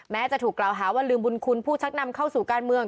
แม้จะถูกกล่าวหาว่าลืมบุญคุณผู้ชักนำเข้าสู่การเมือง